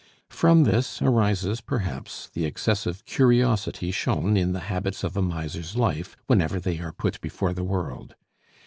From this arises, perhaps, the excessive curiosity shown in the habits of a miser's life whenever they are put before the world.